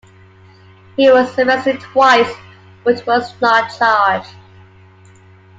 He was arrested twice but was not charged.